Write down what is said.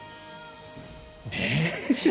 ねえ？